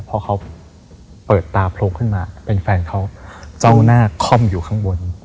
พอเขาเปิดตาโพลขึ้นมาเป็นแฟนเขาเจ้าหน้าค่อมอยู่ข้างบน